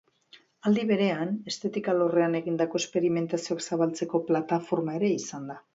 Aldi berean, estetika alorrean egindako esperimentazioak zabaltzeko plataforma ere izan da.